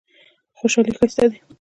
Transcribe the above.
خوشحالي ښایسته دی.